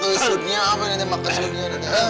mbak ke sudnya apa ini mbak ke sudnya dede